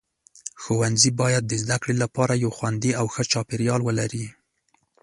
ښوونځي باید د زده کړې لپاره یو خوندي او ښه چاپیریال ولري.